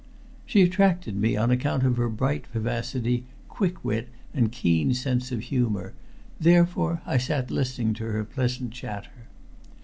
She attracted me on account of her bright vivacity, quick wit and keen sense of humor, therefore I sat listening to her pleasant chatter.